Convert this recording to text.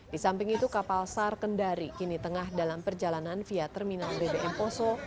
di samping itu kapal sar kendari kini tengah dalam perjalanan via terminal bbm poso